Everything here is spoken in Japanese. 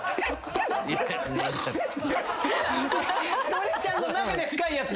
トリちゃんの中で深いやつ。